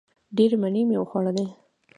ډېرې مڼې مې وخوړلې!